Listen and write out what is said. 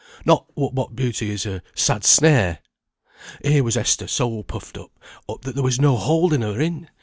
Not but what beauty is a sad snare. Here was Esther so puffed up, that there was no holding her in.